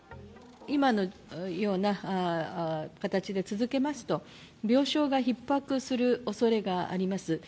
今のような形で続けますと、病床がひっ迫するおそれがあります。